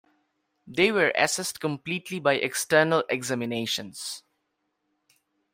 They were assessed completely by external examinations.